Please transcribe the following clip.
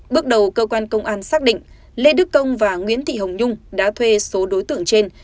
bước đầu cơ quan công an xác định lê đức công và nguyễn thị hồng nhung đã thuê số đối tượng trên